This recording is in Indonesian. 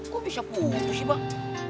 kok bisa putus sih bang